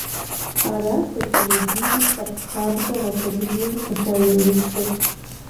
Аращ дэтхэнэ бийри лъэпкъ хабзэхэр гъэкӀуэдыжыным щӀыхуэерыщыр.